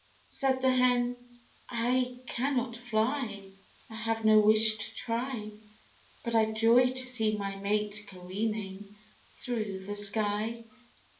Said the Hen, "I cannot fly, I have no wish to try, But I joy to see my mate careening through the sky!"